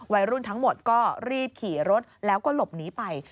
วัยรุ่นทั้งหมดก็รีบขี่รถแล้วก็หลบหนีไป